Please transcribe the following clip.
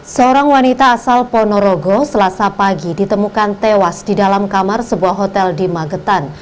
seorang wanita asal ponorogo selasa pagi ditemukan tewas di dalam kamar sebuah hotel di magetan